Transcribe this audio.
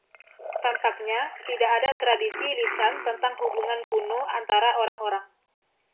Tampaknya tidak ada tradisi lisan tentang hubungan kuno antara orang-orang.